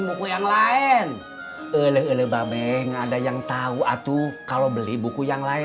pilih buku yang lain peleksi lolli ouais ngada yang tahu atuh kalau beli buku yang lain